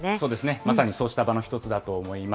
まさにそうした場の１つだと思います。